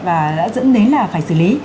và dẫn đến là phải xử lý